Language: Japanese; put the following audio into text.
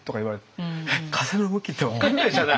「えっ？風の向き？」って分かんないじゃない。